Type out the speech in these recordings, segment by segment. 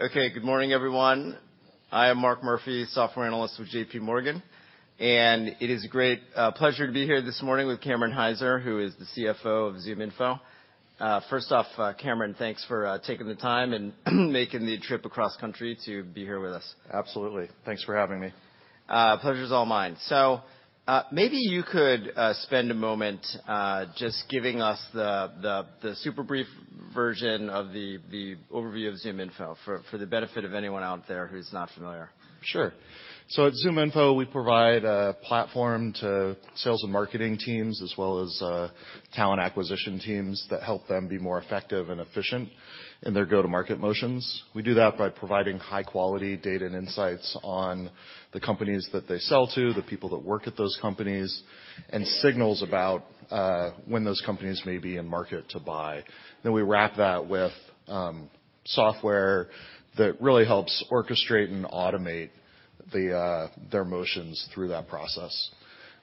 Okay. Good morning, everyone. I am Mark Murphy, software analyst with JPMorgan, and it is a great pleasure to be here this morning with Cameron Hyzer, who is the CFO of ZoomInfo. First off, Cameron, thanks for taking the time and making the trip across country to be here with us. Absolutely. Thanks for having me. Pleasure's all mine. Maybe you could spend a moment just giving us the super brief version of the overview of ZoomInfo for the benefit of anyone out there who's not familiar. Sure. At ZoomInfo, we provide a platform to sales and marketing teams as well as talent acquisition teams that help them be more effective and efficient in their go-to-market motions. We do that by providing high-quality data and insights on the companies that they sell to, the people that work at those companies, and signals about when those companies may be in market to buy. We wrap that with software that really helps orchestrate and automate their motions through that process.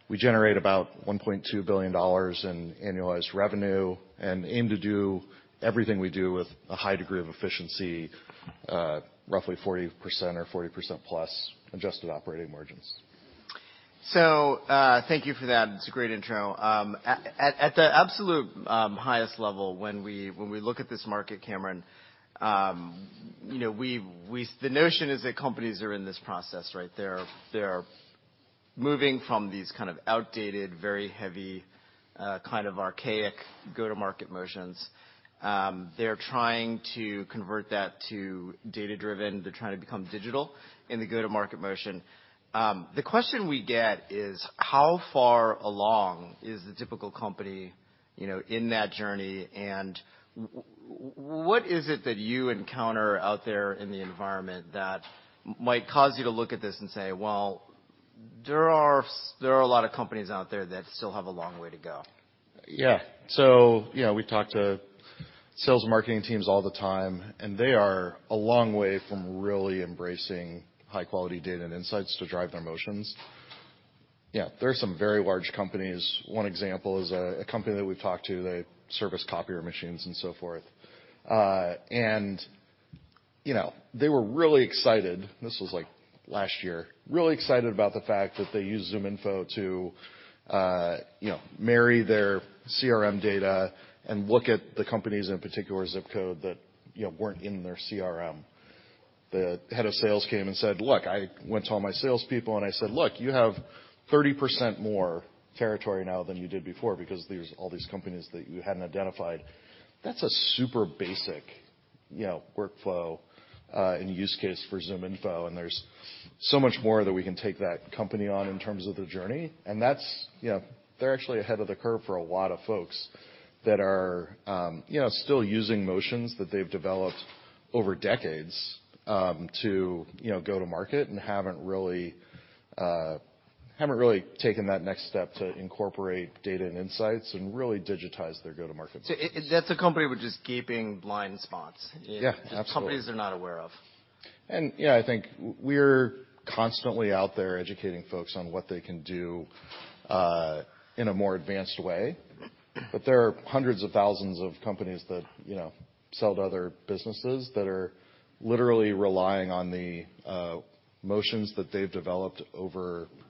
We generate about $1.2 billion in annualized revenue and aim to do everything we do with a high degree of efficiency, roughly 40% or 40%+ adjusted operating margins. Thank you for that. It's a great intro. At the absolute highest level, when we look at this market, Cameron, you know, the notion is that companies are in this process, right? They're moving from these kind of outdated, very heavy, kind of archaic go-to-market motions. They're trying to convert that to data-driven. They're trying to become digital in the go-to-market motion. The question we get is, how far along is the typical company, you know, in that journey? What is it that you encounter out there in the environment that might cause you to look at this and say, "Well, there are a lot of companies out there that still have a long way to go"? You know, we talk to sales and marketing teams all the time, and they are a long way from really embracing high-quality data and insights to drive their motions. There are some very large companies. One example is a company that we talked to, they service copier machines and so forth. You know, they were really excited, this was like last year, really excited about the fact that they used ZoomInfo to, you know, marry their CRM data and look at the companies in a particular zip code that, you know, weren't in their CRM. The head of sales came and said, "Look, I went to all my salespeople, and I said, 'Look, you have 30% more territory now than you did before because there's all these companies that you hadn't identified.'" That's a super basic, you know, workflow, and use case for ZoomInfo, and there's so much more that we can take that company on in terms of their journey. That's, you know, they're actually ahead of the curve for a lot of folks that are, you know, still using motions that they've developed over decades, to, you know, go to market and haven't really taken that next step to incorporate data and insights and really digitize their go-to-market. That's a company with just gaping blind spots. Yeah, absolutely. Just companies they're not aware of. Yeah, I think we're constantly out there educating folks on what they can do in a more advanced way. There are hundreds of thousands of companies that, you know, sell to other businesses that are literally relying on the motions that they've developed over, you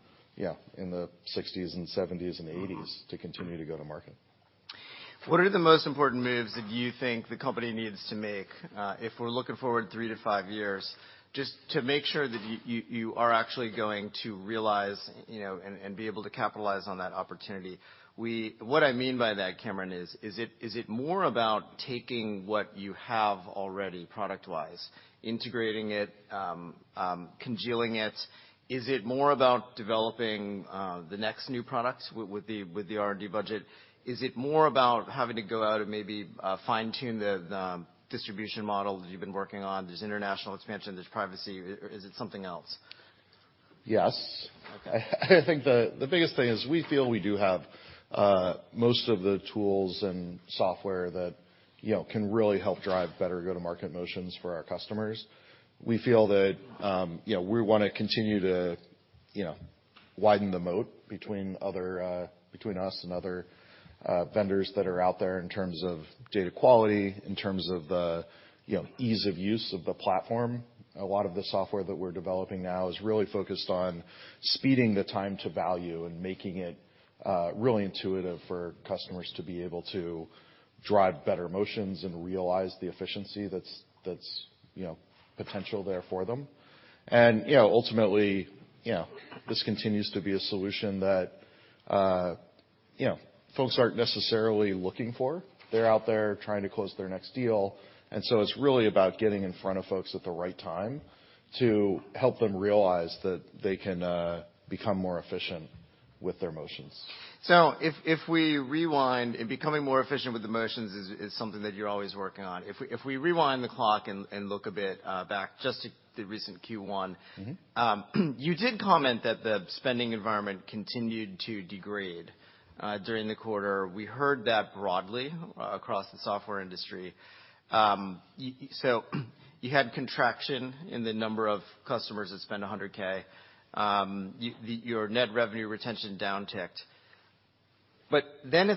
know, in the sixties and seventies and eighties. Mm-hmm. to continue to go to market. What are the most important moves that you think the company needs to make, if we're looking forward three to five years, just to make sure that you are actually going to realize, you know, and be able to capitalize on that opportunity? What I mean by that, Cameron, is it more about taking what you have already product-wise, integrating it, congealing it? Is it more about developing the next new products with the R&D budget? Is it more about having to go out and maybe fine-tune the distribution model that you've been working on? There's international expansion, there's privacy. Is it something else? Yes. Okay. I think the biggest thing is we feel we do have most of the tools and software that, you know, can really help drive better go-to-market motions for our customers. We feel that, you know, we wanna continue to, you know, widen the moat between other, between us and other vendors that are out there in terms of data quality, in terms of, you know, ease of use of the platform. A lot of the software that we're developing now is really focused on speeding the time to value and making it really intuitive for customers to be able to drive better motions and realize the efficiency that's, you know, potential there for them. You know, ultimately, you know, this continues to be a solution that, you know, folks aren't necessarily looking for. They're out there trying to close their next deal, and so it's really about getting in front of folks at the right time to help them realize that they can become more efficient with their motions. If we rewind, and becoming more efficient with the motions is something that you're always working on. If we rewind the clock and look a bit back just to the recent Q1. Mm-hmm. You did comment that the spending environment continued to degrade during the quarter. We heard that broadly across the software industry. So you had contraction in the number of customers that spend $100,000. Your net revenue retention down-ticked. At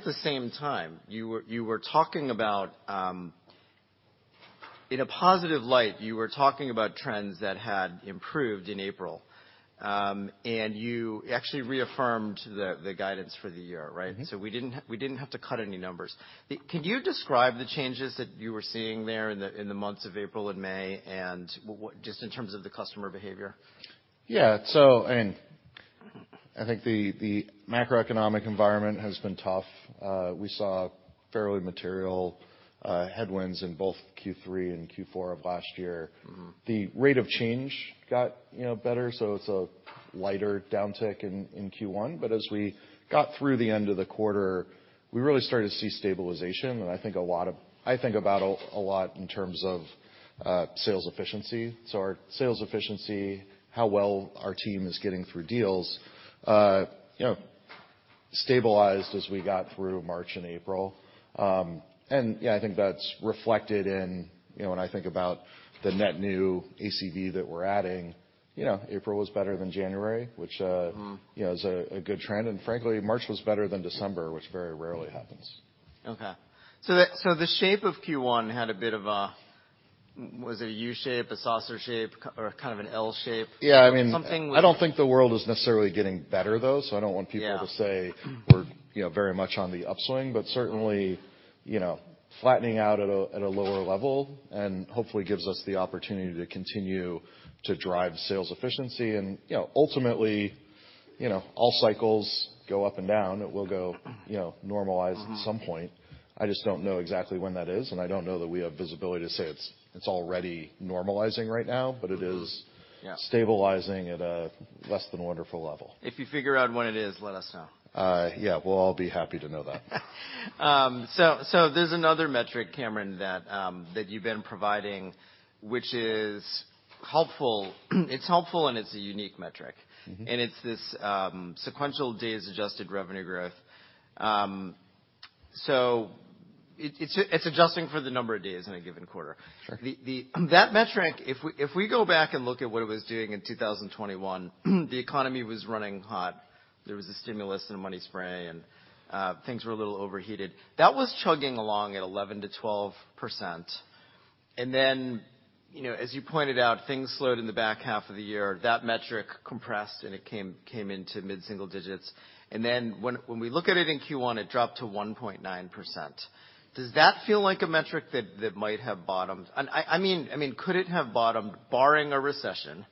the same time, you were talking about in a positive light, you were talking about trends that had improved in April. You actually reaffirmed the guidance for the year, right? Mm-hmm. We didn't have to cut any numbers. Could you describe the changes that you were seeing there in the months of April and May and what just in terms of the customer behavior? I mean, I think the macroeconomic environment has been tough. We saw fairly material headwinds in both Q3 and Q4 of last year. Mm-hmm. The rate of change got, you know, better, so it's a lighter downtick in Q1. As we got through the end of the quarter, we really started to see stabilization. I think about a lot in terms of sales efficiency. Our sales efficiency, how well our team is getting through deals, you know, stabilized as we got through March and April. Yeah, I think that's reflected in, you know, when I think about the net new ACV that we're adding, you know, April was better than January, which. Mm-hmm you know, is a good trend. Frankly, March was better than December, which very rarely happens. Okay. The shape of Q1 had a bit of a, was it a U shape, a saucer shape, or kind of an L shape? Yeah. Something with- I don't think the world is necessarily getting better, though, so I don't want people. Yeah ...to say we're, you know, very much on the upswing, but certainly, you know, flattening out at a lower level, and hopefully gives us the opportunity to continue to drive sales efficiency and, you know, ultimately, you know, all cycles go up and down. It will go, you know. Mm-hmm at some point. I just don't know exactly when that is, and I don't know that we have visibility to say it's already normalizing right now. Mm-hmm. it is- Yeah ...stabilizing at a less than wonderful level. If you figure out when it is, let us know. yeah, we'll all be happy to know that. There's another metric, Cameron, that you've been providing, which is helpful. It's helpful and it's a unique metric. Mm-hmm. It's this, sequential days adjusted revenue growth. It's adjusting for the number of days in a given quarter. Sure. That metric, if we go back and look at what it was doing in 2021, the economy was running hot. There was a stimulus and a money spray, and things were a little overheated. That was chugging along at 11%-12%. You know, as you pointed out, things slowed in the back half of the year. That metric compressed, and it came into mid-single digits. When we look at it in Q1, it dropped to 1.9%. Does that feel like a metric that might have bottomed? I mean, could it have bottomed, barring a recession,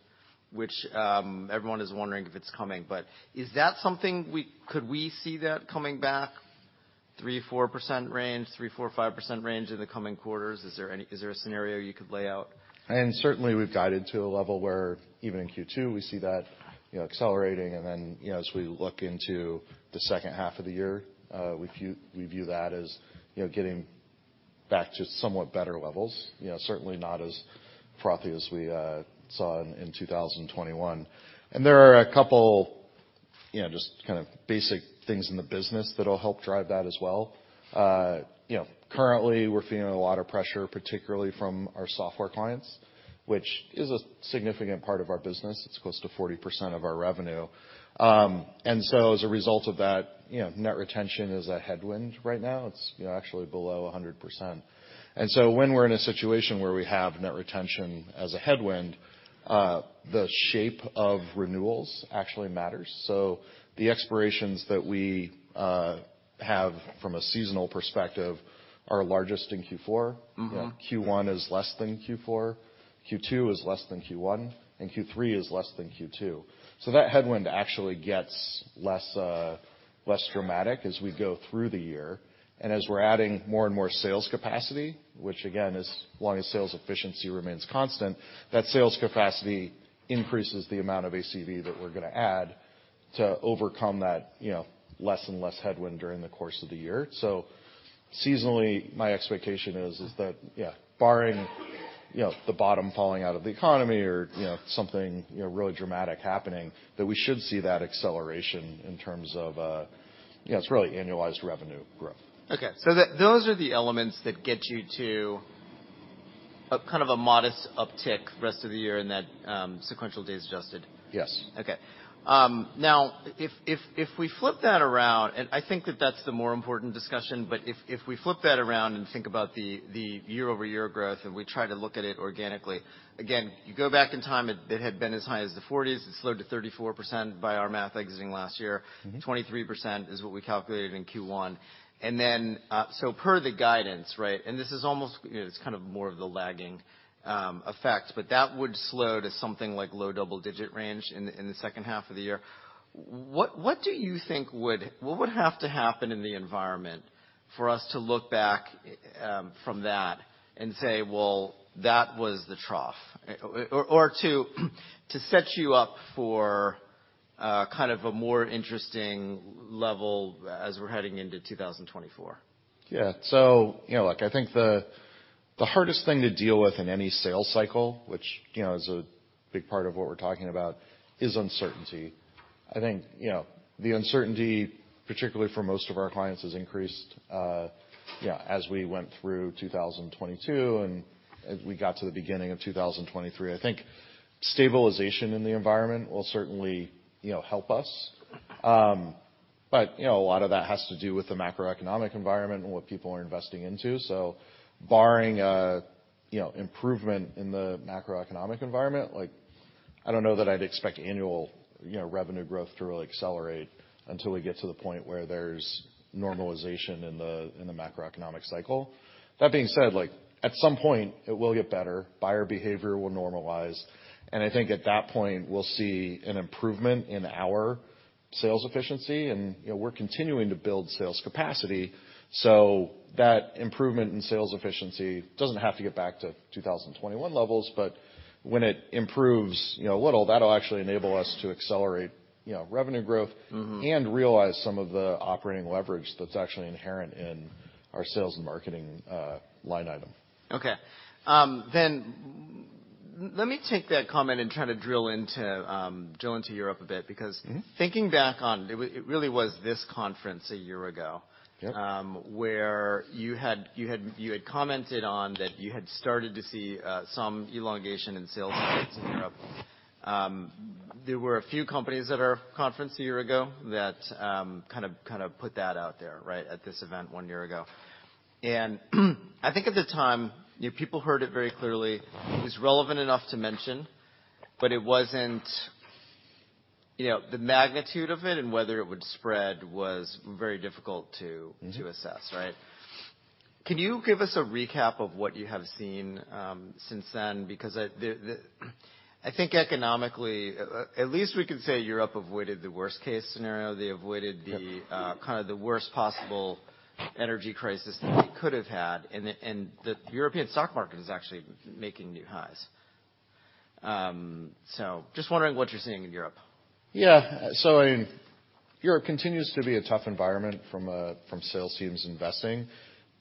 which everyone is wondering if it's coming, but is that something could we see that coming back 3%-4% range, 3%-5% range in the coming quarters? Is there a scenario you could lay out? I mean, certainly we've guided to a level where even in Q2, we see that, you know, accelerating, and then, you know, as we look into the second half of the year, we view, we view that as, you know, getting back to somewhat better levels. You know, certainly not as frothy as we saw in 2021. There are a couple, you know, just kind of basic things in the business that'll help drive that as well. You know, currently, we're feeling a lot of pressure, particularly from our software clients, which is a significant part of our business. It's close to 40% of our revenue. As a result of that, you know, net retention is a headwind right now. It's, you know, actually below 100%. When we're in a situation where we have net retention as a headwind, the shape of renewals actually matters. The expirations that we have from a seasonal perspective are largest in Q4. Mm-hmm. Q1 is less than Q4, Q2 is less than Q1, and Q3 is less than Q2. That headwind actually gets less, less dramatic as we go through the year. As we're adding more and more sales capacity, which again is as long as sales efficiency remains constant, that sales capacity increases the amount of ACV that we're gonna add to overcome that, you know, less and less headwind during the course of the year. Seasonally, my expectation is that, yeah, barring, you know, the bottom falling out of the economy or, you know, something, you know, really dramatic happening, that we should see that acceleration in terms of, it's really annualized revenue growth. Okay. Those are the elements that get you to a kind of a modest uptick the rest of the year in that, sequential days adjusted. Yes. Okay. Now if we flip that around, I think that that's the more important discussion, but if we flip that around and think about the year-over-year growth, we try to look at it organically. Again, you go back in time, it had been as high as the 40s. It slowed to 34% by our math exiting last year. Mm-hmm. 23% is what we calculated in Q1. per the guidance, right? This is almost, you know, it's kind of more of the lagging effect, but that would slow to something like low double digit range in the second half of the year. What would have to happen in the environment for us to look back from that and say, "Well, that was the trough"? to set you up for kind of a more interesting level as we're heading into 2024. Yeah. You know, look, I think the hardest thing to deal with in any sales cycle, which, you know, is a big part of what we're talking about, is uncertainty. I think, you know, the uncertainty, particularly for most of our clients, has increased, you know, as we went through 2022, and as we got to the beginning of 2023. I think stabilization in the environment will certainly, you know, help us. You know, a lot of that has to do with the macroeconomic environment and what people are investing into. Barring, you know, improvement in the macroeconomic environment, like, I don't know that I'd expect annual, you know, revenue growth to really accelerate until we get to the point where there's normalization in the, in the macroeconomic cycle. That being said, like, at some point it will get better, buyer behavior will normalize, and I think at that point, we'll see an improvement in our sales efficiency and, you know, we're continuing to build sales capacity. That improvement in sales efficiency doesn't have to get back to 2021 levels, but when it improves, you know, a little, that'll actually enable us to accelerate, you know, revenue growth. Mm-hmm. Realize some of the operating leverage that's actually inherent in our sales and marketing line item. Okay. Let me take that comment and try to drill into, drill into Europe a bit because... Mm-hmm. thinking back on it it really was this conference a year ago. Yep. where you had commented on that you had started to see some elongation in sales cycles in Europe. There were a few companies at our conference a year ago that kind of put that out there, right? At this event one year ago. I think at the time, you know, people heard it very clearly. It was relevant enough to mention, but it wasn't, you know, the magnitude of it and whether it would spread was very difficult to- Mm-hmm. to assess, right? Can you give us a recap of what you have seen, since then? Because I think economically, at least we could say Europe avoided the worst case scenario. They avoided the. Yep. kind of the worst possible energy crisis that they could have had, and the European stock market is actually making new highs. Just wondering what you're seeing in Europe. Yeah. I mean, Europe continues to be a tough environment from sales teams investing,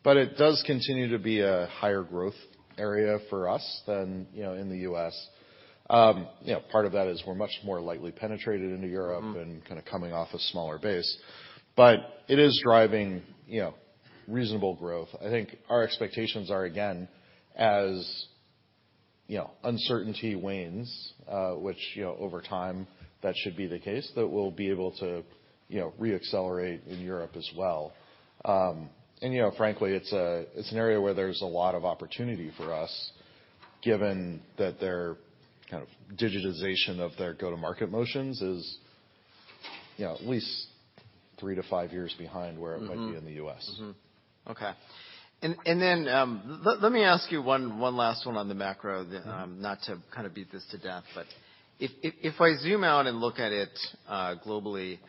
but it does continue to be a higher growth area for us than, you know, in the U.S. you know, part of that is we're much more lightly penetrated into Europe... Mm-hmm. Kinda coming off a smaller base. It is driving, you know, reasonable growth. I think our expectations are, again, as, you know, uncertainty wanes, which, you know, over time that should be the case, that we'll be able to, you know, re-accelerate in Europe as well. Frankly, it's a, it's an area where there's a lot of opportunity for us given that their kind of digitization of their go-to-market motions is, you know, at least three to five years behind where... Mm-hmm. it might be in the U.S. Mm-hmm. Okay. Let me ask you one last one on the macro. Mm-hmm. Not to kind of beat this to death, but if I zoom out and look at it globally,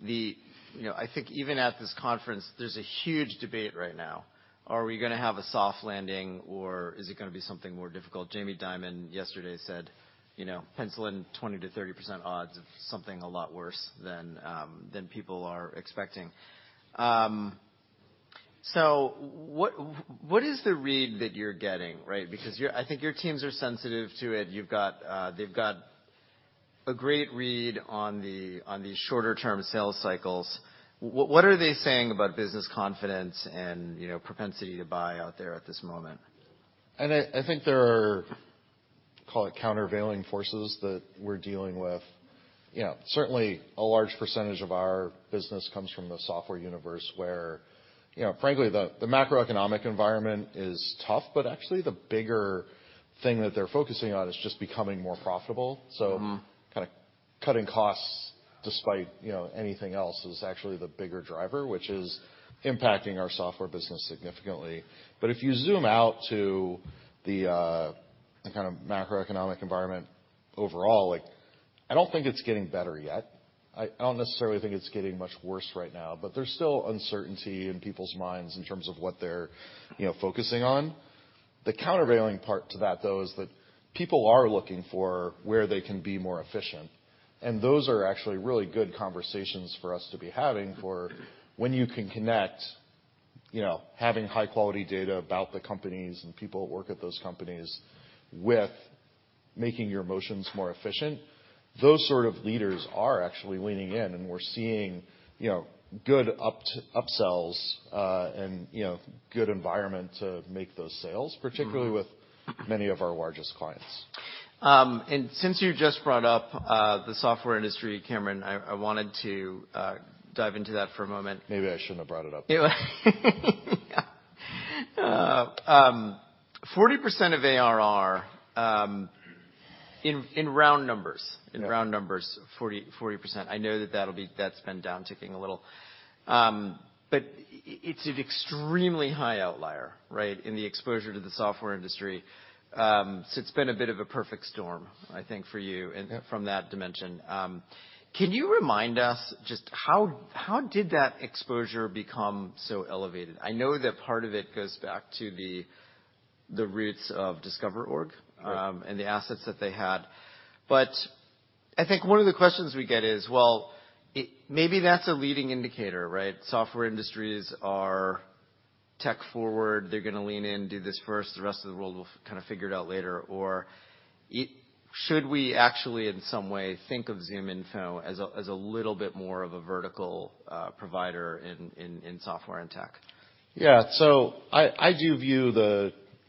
the, you know, I think even at this conference, there's a huge debate right now. Are we gonna have a soft landing, or is it gonna be something more difficult? Jamie Dimon yesterday said, you know, pencil in 20%-30% odds of something a lot worse than people are expecting. What is the read that you're getting, right? Because your I think your teams are sensitive to it. You've got, they've got a great read on the, on these shorter term sales cycles. What are they saying about business confidence and, you know, propensity to buy out there at this moment? I think there are, call it countervailing forces that we're dealing with. You know, certainly a large percentage of our business comes from the software universe, where, you know, frankly, the macroeconomic environment is tough, but actually the bigger thing that they're focusing on is just becoming more profitable. Mm-hmm. Kinda cutting costs despite, you know, anything else is actually the bigger driver, which is impacting our software business significantly. If you zoom out to the kind of macroeconomic environment overall, like I don't think it's getting better yet. I don't necessarily think it's getting much worse right now, but there's still uncertainty in people's minds in terms of what they're, you know, focusing on. The countervailing part to that, though, is that people are looking for where they can be more efficient, those are actually really good conversations for us to be having for when you can connect, you know, having high quality data about the companies and people that work at those companies with making your motions more efficient. Those sort of leaders are actually leaning in, and we're seeing, you know, good upsells, and, you know, good environment to make those sales. Mm-hmm. particularly with many of our largest clients. Since you just brought up the software industry, Cameron, I wanted to dive into that for a moment. Maybe I shouldn't have brought it up. Yeah. 40% of ARR, in round numbers- Yeah. In round numbers, 40%. I know that that's been down ticking a little. It's an extremely high outlier, right? In the exposure to the software industry. It's been a bit of a perfect storm, I think. Yeah. From that dimension. Can you remind us just how did that exposure become so elevated? I know that part of it goes back to the roots of DiscoverOrg. Right. and the assets that they had. I think one of the questions we get is, well, maybe that's a leading indicator, right? Software industries are tech forward. They're gonna lean in, do this first. The rest of the world will kind of figure it out later. Should we actually, in some way, think of ZoomInfo as a little bit more of a vertical provider in software and tech? I do view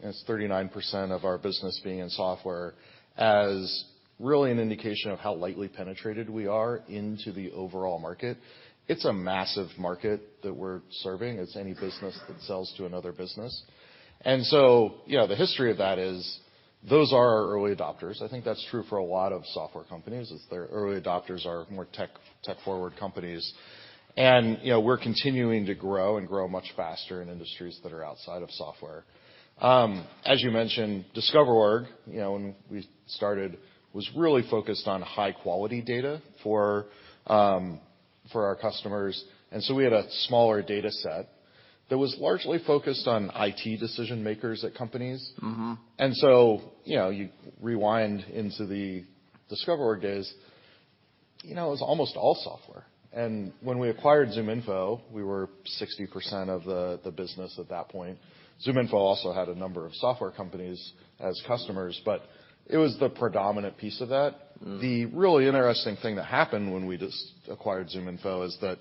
it's 39% of our business being in software as really an indication of how lightly penetrated we are into the overall market. It's a massive market that we're serving. It's any business that sells to another business. You know, the history of that is those are our early adopters. I think that's true for a lot of software companies, is their early adopters are more tech-forward companies. You know, we're continuing to grow and grow much faster in industries that are outside of software. As you mentioned, DiscoverOrg, you know, when we started, was really focused on high-quality data for our customers. We had a smaller data set that was largely focused on IT decision-makers at companies. Mm-hmm. you know, you rewind into the DiscoverOrg days, you know, it was almost all software. We acquired ZoomInfo, we were 60% of the business at that point. ZoomInfo also had a number of software companies as customers, but it was the predominant piece of that. Mm. The really interesting thing that happened when we acquired ZoomInfo is that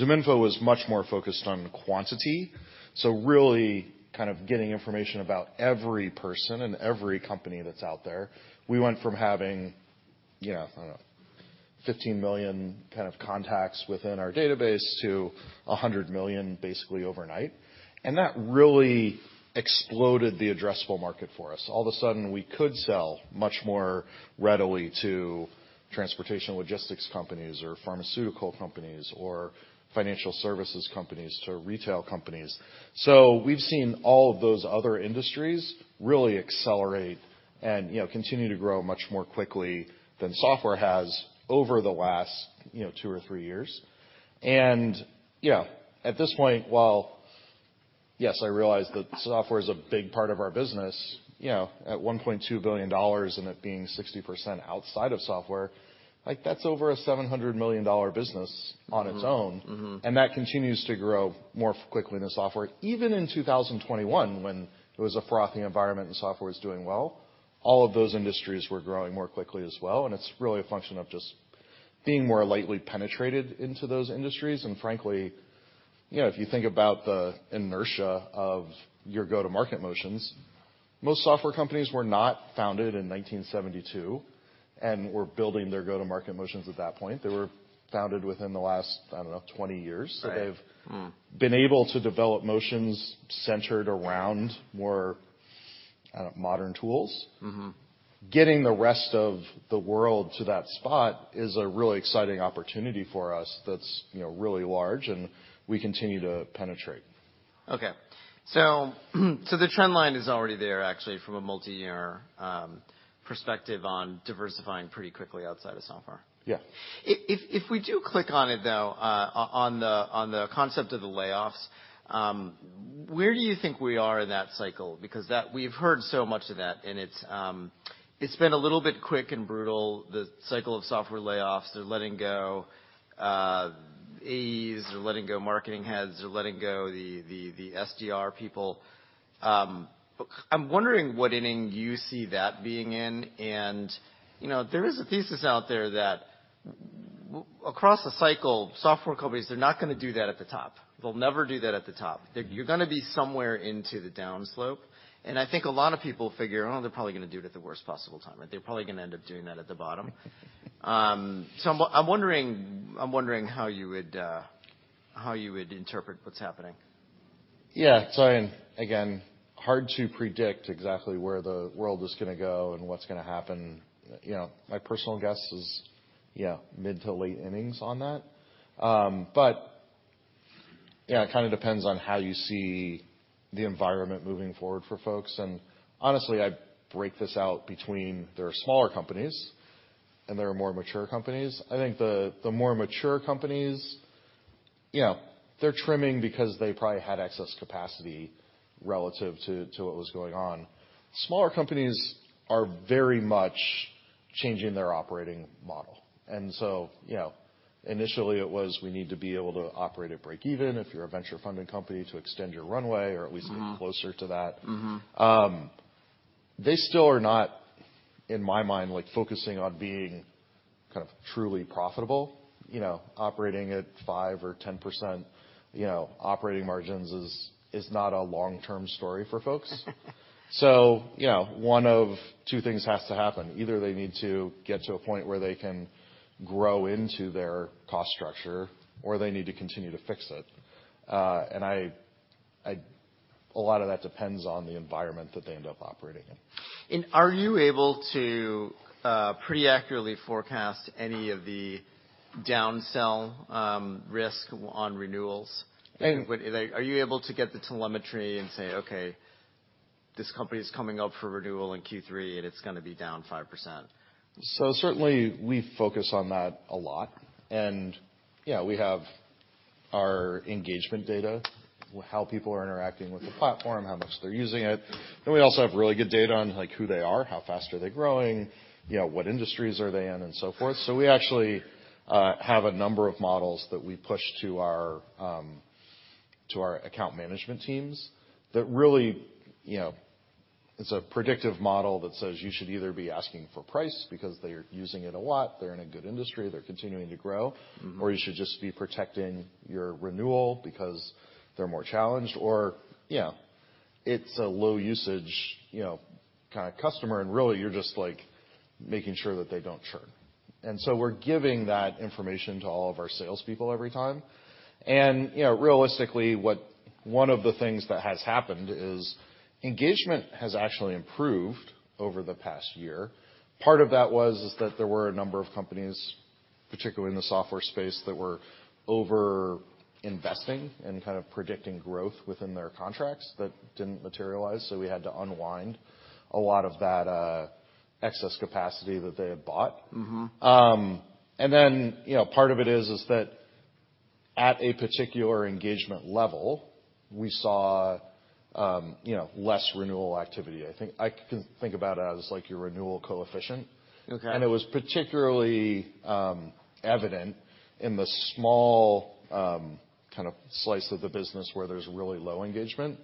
ZoomInfo was much more focused on quantity, so really kind of getting information about every person and every company that's out there. We went from having, you know, I don't know, 15 million kind of contacts within our database to 100 million basically overnight. That really exploded the addressable market for us. All of a sudden we could sell much more readily to transportation logistics companies or pharmaceutical companies or financial services companies to retail companies. We've seen all of those other industries really accelerate and, you know, continue to grow much more quickly than software has over the last, you know, two or three years. Yeah, at this point, while, yes, I realize that software is a big part of our business, you know, at $1.2 billion and it being 60% outside of software, like, that's over a $700 million business on its own. Mm-hmm. That continues to grow more quickly than software. Even in 2021 when it was a frothy environment and software was doing well, all of those industries were growing more quickly as well, and it's really a function of just being more lightly penetrated into those industries. Frankly, you know, if you think about the inertia of your go-to-market motions, most software companies were not founded in 1972 and were building their go-to-market motions at that point. They were founded within the last, I don't know, 20 years. Right. They've been able to develop motions centered around more, I don't know, modern tools. Mm-hmm. Getting the rest of the world to that spot is a really exciting opportunity for us that's, you know, really large, and we continue to penetrate. Okay. The trend line is already there actually from a multi-year perspective on diversifying pretty quickly outside of software. Yeah. If we do click on it though, on the concept of the layoffs, where do you think we are in that cycle? Because we've heard so much of that and it's been a little bit quick and brutal, the cycle of software layoffs. They're letting go AEs. They're letting go marketing heads. They're letting go the SDR people. I'm wondering what inning you see that being in. You know, there is a thesis out there that across a cycle, software companies, they're not gonna do that at the top. They'll never do that at the top. Mm. You're gonna be somewhere into the down slope. I think a lot of people figure, "Oh, they're probably gonna do it at the worst possible time," right? They're probably gonna end up doing that at the bottom. I'm wondering how you would interpret what's happening? Yeah. Again, hard to predict exactly where the world is gonna go and what's gonna happen. You know, my personal guess is, you know, mid to late innings on that. Yeah, it kind of depends on how you see the environment moving forward for folks. Honestly, I'd break this out between there are smaller companies and there are more mature companies. I think the more mature companies, you know, they're trimming because they probably had excess capacity relative to what was going on. Smaller companies are very much changing their operating model. You know, initially it was, we need to be able to operate at break even if you're a venture funded company to extend your runway or at least get closer to that. Mm-hmm. They still are not, in my mind, like focusing on being kind of truly profitable. You know, operating at 5% or 10%, you know, operating margins is not a long-term story for folks. You know, one of two things has to happen. Either they need to get to a point where they can grow into their cost structure or they need to continue to fix it. A lot of that depends on the environment that they end up operating in. Are you able to pretty accurately forecast any of the down sell risk on renewals? And- Are you able to get the telemetry and say, "Okay, this company is coming up for renewal in Q3 and it's gonna be down 5%? Certainly we focus on that a lot. Yeah, we have our engagement data, how people are interacting with the platform, how much they're using it. We also have really good data on, like, who they are, how fast are they growing, you know, what industries are they in and so forth. We actually have a number of models that we push to our, to our account management teams that really, you know. It's a predictive model that says you should either be asking for price because they're using it a lot, they're in a good industry, they're continuing to grow. Mm-hmm. You should just be protecting your renewal because they're more challenged, or, you know, it's a low usage, you know, kinda customer and really you're just, like, making sure that they don't churn. We're giving that information to all of our salespeople every time. You know, realistically, what one of the things that has happened is engagement has actually improved over the past year. Part of that was is that there were a number of companies, particularly in the software space, that were over-investing and kind of predicting growth within their contracts that didn't materialize, so we had to unwind a lot of that excess capacity that they had bought. Mm-hmm. you know, part of it is that at a particular engagement level, we saw, you know, less renewal activity. I can think about it as like your renewal rate. Okay. It was particularly evident in the small kind of slice of the business where there's really low engagement.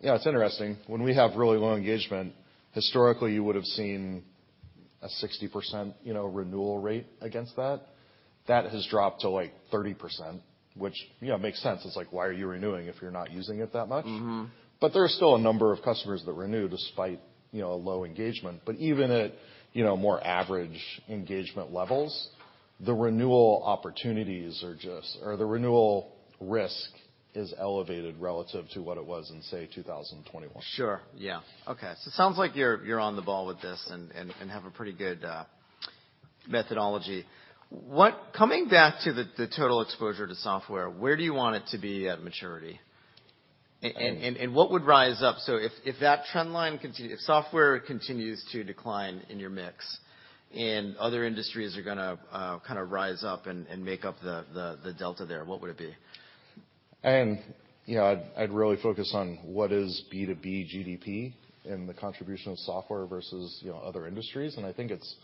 You know, it's interesting, when we have really low engagement, historically, you would've seen a 60%, you know, renewal rate against that. That has dropped to, like, 30%, which, you know, makes sense. It's like, why are you renewing if you're not using it that much? Mm-hmm. There are still a number of customers that renew despite, you know, a low engagement. Even at, you know, more average engagement levels, the renewal opportunities are just, or the renewal risk is elevated relative to what it was in, say, 2021. Sure. Yeah. Okay. It sounds like you're on the ball with this and have a pretty good methodology. Coming back to the total exposure to software, where do you want it to be at maturity? What would rise up? If software continues to decline in your mix and other industries are gonna kinda rise up and make up the delta there, what would it be? You know, I'd really focus on what is B2B GDP and the contribution of software versus, you know, other industries, and I think it's,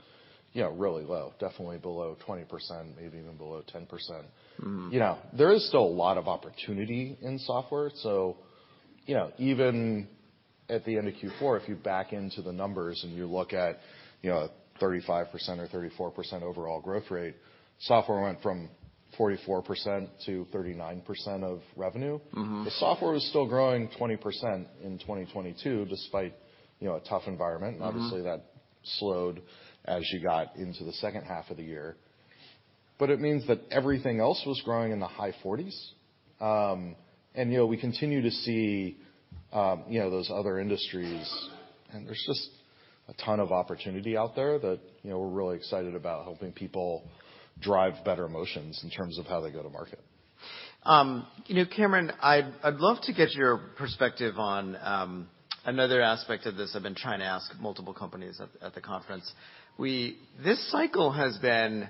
you know, really low. Definitely below 20%, maybe even below 10%. Mm-hmm. You know, there is still a lot of opportunity in software. You know, even at the end of Q4, if you back into the numbers and you look at, you know, 35% or 34% overall growth rate, software went from 44% to 39% of revenue. Mm-hmm. The software was still growing 20% in 2022, despite, you know, a tough environment. Mm-hmm. Obviously that slowed as you got into the second half of the year. It means that everything else was growing in the high 40s. You know, we continue to see, you know, those other industries, and there's just a ton of opportunity out there that, you know, we're really excited about helping people drive better motions in terms of how they go to market. you know, Cameron, I'd love to get your perspective on another aspect of this I've been trying to ask multiple companies at the conference. This cycle has been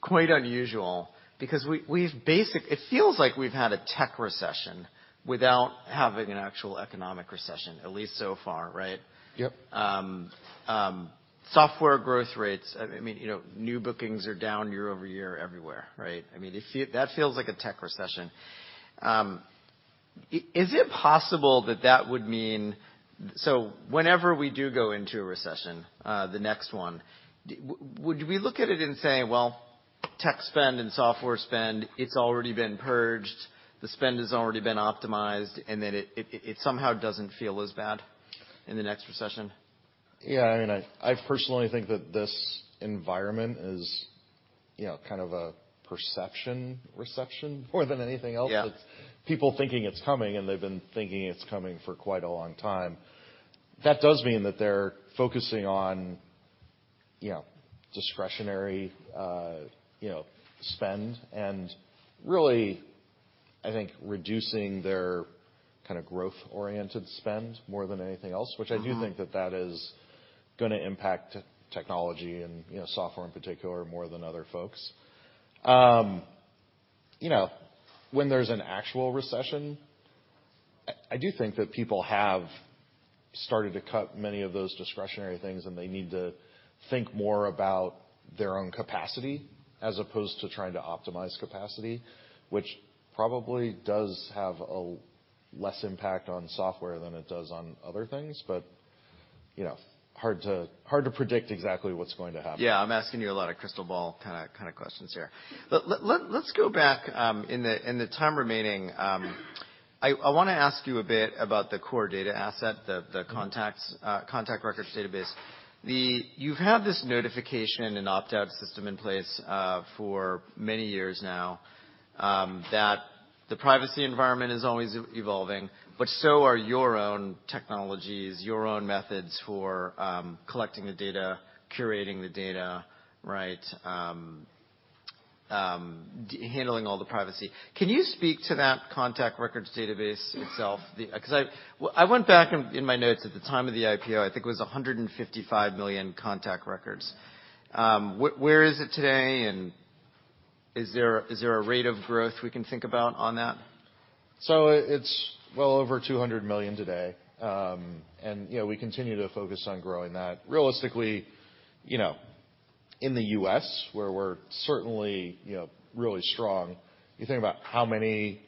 quite unusual because we've It feels like we've had a tech recession without having an actual economic recession, at least so far, right? Yep. Software growth rates, I mean, you know, new bookings are down year-over-year everywhere, right? I mean, that feels like a tech recession. Is it possible that that would mean whenever we do go into a recession, the next one, would we look at it and say, "Well, tech spend and software spend, it's already been purged. The spend has already been optimized," and then it somehow doesn't feel as bad in the next recession? Yeah, I mean, I personally think that this environment is, you know, kind of a perception reception more than anything else. Yeah. It's people thinking it's coming, and they've been thinking it's coming for quite a long time. That does mean that they're focusing on, you know, discretionary, you know, spend, and really, I think, reducing their kind of growth-oriented spend more than anything else. Mm-hmm. I do think that that is gonna impact technology and, you know, software in particular more than other folks. You know, when there's an actual recession, I do think that people have started to cut many of those discretionary things, and they need to think more about their own capacity as opposed to trying to optimize capacity, which probably does have a less impact on software than it does on other things. You know, hard to predict exactly what's going to happen. Yeah, I'm asking you a lot of crystal ball kinda questions here. Let's go back in the time remaining, I wanna ask you a bit about the core data asset, the contact records database. You've had this notification and opt-out system in place for many years now, that the privacy environment is always evolving, so are your own technologies, your own methods for collecting the data, curating the data, right, handling all the privacy. Can you speak to that contact records database itself? 'Cause I went back in my notes at the time of the IPO, I think it was $155 million contact records. Where is it today, and is there, is there a rate of growth we can think about on that? It's well over $200 million today. You know, we continue to focus on growing that. Realistically, you know, in the U.S., where we're certainly, you know, really strong, you think about how many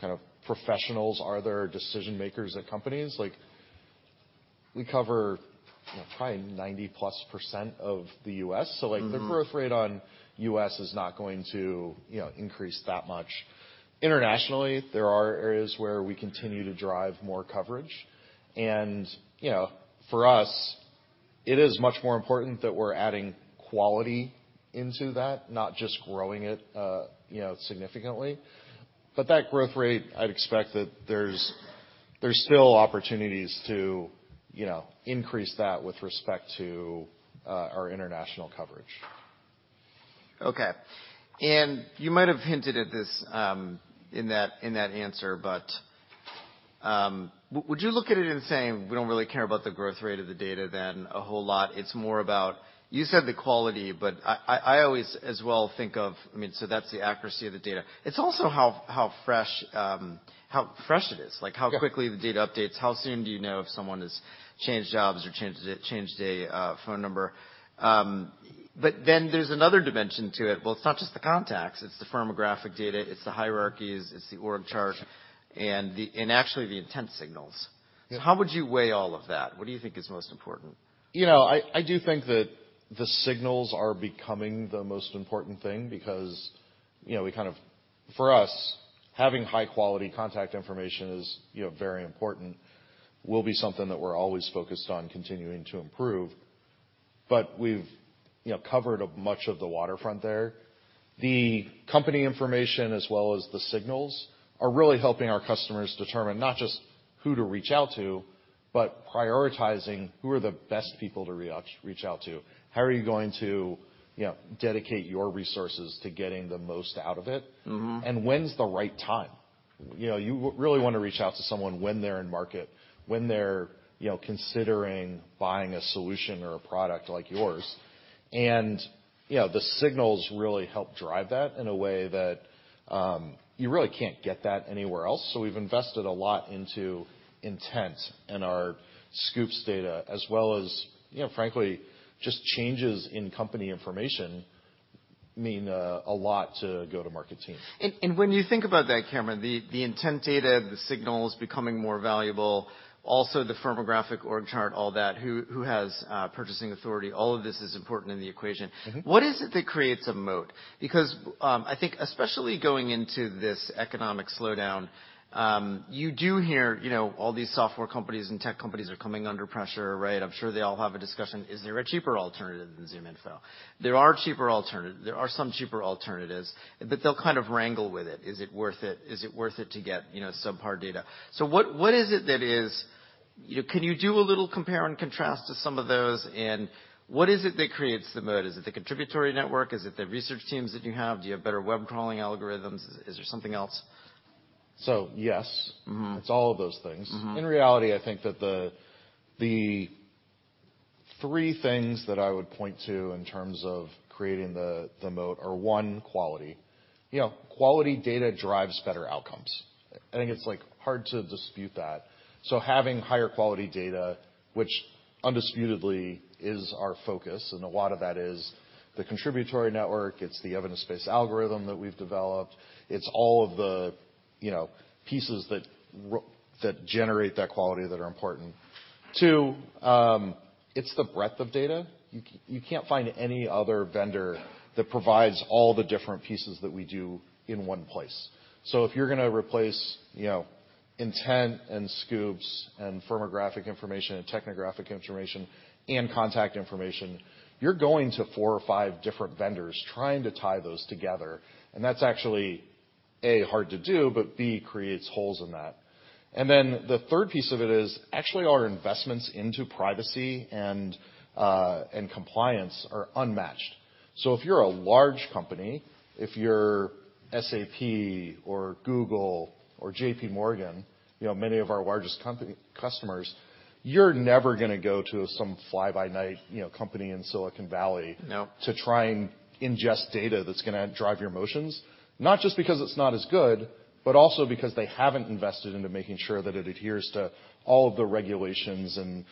kind of professionals are there, decision-makers at companies. Like, we cover, you know, probably 90%+ of the U.S. Mm-hmm. Like, the growth rate on U.S. is not going to, you know, increase that much. Internationally, there are areas where we continue to drive more coverage. You know, for us, it is much more important that we're adding quality into that, not just growing it, you know, significantly. That growth rate, I'd expect that there's still opportunities to, you know, increase that with respect to our international coverage. You might have hinted at this in that, in that answer, but would you look at it in saying we don't really care about the growth rate of the data then a whole lot? It's more about. You said the quality, but I always as well think of, I mean, so that's the accuracy of the data. It's also how fresh it is. Yeah. Like, how quickly the data updates. How soon do you know if someone has changed jobs or changed a phone number? There's another dimension to it. Well, it's not just the contacts, it's the firmographic data, it's the hierarchies, it's the org chart and actually the intent signals. Yeah. How would you weigh all of that? What do you think is most important? You know, I do think that the signals are becoming the most important thing because, you know, for us, having high quality contact information is, you know, very important, will be something that we're always focused on continuing to improve. But we've, you know, covered up much of the waterfront there. The company information as well as the signals are really helping our customers determine not just who to reach out to, but prioritizing who are the best people to reach out to. How are you going to, you know, dedicate your resources to getting the most out of it? Mm-hmm. When's the right time? You know, you really wanna reach out to someone when they're in market, when they're, you know, considering buying a solution or a product like yours. You know, the signals really help drive that in a way that, you really can't get that anywhere else. We've invested a lot into intent and our Scoops data as well as, you know, frankly, just changes in company information mean a lot to go-to-market team. When you think about that, Cameron, the Intent data, the signals becoming more valuable, also the firmographic org chart, all that, who has purchasing authority, all of this is important in the equation. Mm-hmm. What is it that creates a moat? I think especially going into this economic slowdown, you do hear, you know, all these software companies and tech companies are coming under pressure, right? I'm sure they all have a discussion, is there a cheaper alternative than ZoomInfo? There are cheaper alternatives. There are some cheaper alternatives, but they'll kind of wrangle with it. Is it worth it? Is it worth it to get, you know, subpar data? What, you know, can you do a little compare and contrast to some of those, and what is it that creates the moat? Is it the contributory network? Is it the research teams that you have? Do you have better web crawling algorithms? Is, is there something else? Yes. Mm-hmm. It's all of those things. Mm-hmm. In reality, I think that the three things that I would point to in terms of creating the moat are, one, quality. You know, quality data drives better outcomes. I think it's, like, hard to dispute that. Having higher quality data, which undisputedly is our focus, and a lot of that is the contributory network, it's the evidence-based algorithm that we've developed. It's all of the, you know, pieces that generate that quality that are important. Two, it's the breadth of data. You can't find any other vendor that provides all the different pieces that we do in one place. If you're gonna replace, you know, Intent and Scoops and firmographic information and technographic information and contact information, you're going to four or five different vendors trying to tie those together. That's actually, A, hard to do, but B, creates holes in that. The third piece of it is actually our investments into privacy and compliance are unmatched. If you're a large company, if you're SAP or Google or JPMorgan, you know, many of our largest customers, you're never gonna go to some fly by night, you know, company in Silicon Valley. No ...to try and ingest data that's gonna drive your motions, not just because it's not as good, but also because they haven't invested into making sure that it adheres to all of the regulations and,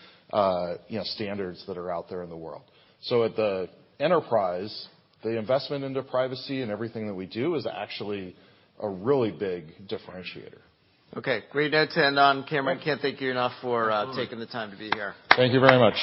you know, standards that are out there in the world. At the enterprise, the investment into privacy and everything that we do is actually a really big differentiator. Okay. Great notes to end on, Cameron. I can't thank you enough for taking the time to be here. Thank you very much.